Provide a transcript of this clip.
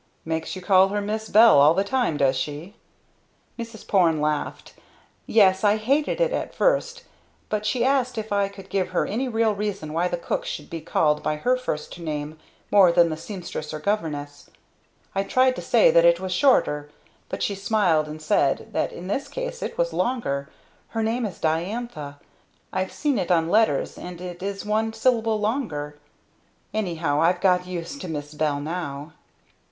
"Makes you call her "Miss Bell" all the time, does she?" Mrs. Porne laughed. "Yes. I hated it at first, but she asked if I could give her any real reason why the cook should be called by her first name more than the seamstress or governess. I tried to say that it was shorter, but she smiled and said that in this case it was longer! Her name is Diantha I've seen it on letters. And it is one syllable longer. Anyhow I've got used to Miss Bell now."